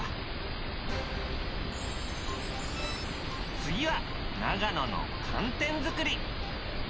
次は長野の寒天作り。